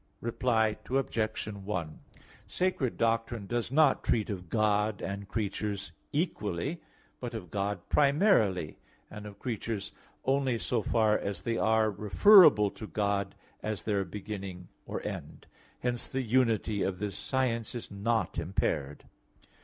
Reply Obj. 1: Sacred doctrine does not treat of God and creatures equally, but of God primarily, and of creatures only so far as they are referable to God as their beginning or end. Hence the unity of this science is not impaired.